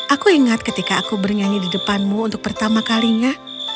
aku ingat ketika aku bernyanyi di depanmu untuk pertama kalinya